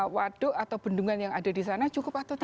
waduk atau bendungan yang ada disana cukup atau tidak